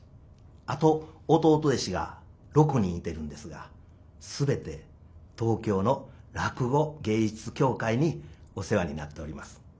あと弟弟子が六人いてるんですが全て東京の落語芸術協会にお世話になっております。